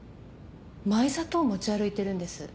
マイ砂糖持ち歩いてるんです。